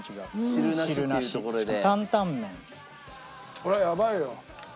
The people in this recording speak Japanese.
これやばいよ。